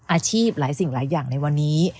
อาชีพหลายสิ่งหลายอย่างในวันนี้